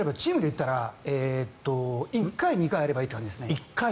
例えば、チームで言ったら１回２回あればいいという感じです。